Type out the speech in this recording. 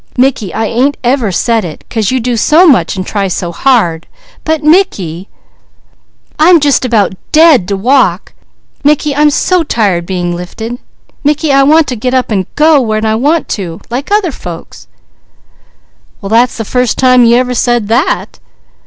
Mickey I ain't ever said it, 'cause you do so much an' try so hard, but Mickey, I'm just about dead to walk! Mickey, I'm so tired being lifted. Mickey, I want to get up an' go when I want to, like other folks!" "Well that's the first time you ever said that."